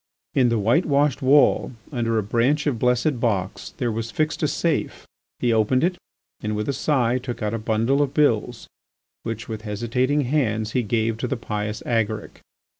In the whitewashed wall under a branch of blessed box, there was fixed a safe. He opened it, and with a sigh took out a bundle of bills which, with hesitating hands, he gave to the pious Agaric.